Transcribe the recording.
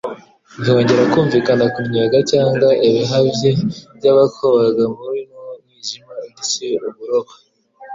Ntihongera kumvikana kunnyega cyangwa ibihvenge by' abakobaga muri nwo mwijima utcye uburoba;